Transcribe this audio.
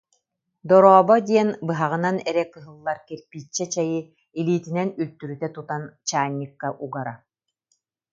«Дорообо» диэн быһаҕынан эрэ кыһыллар кирпииччэ чэйи илиитинэн үлтүрүтэ тутан чаанньыкка угара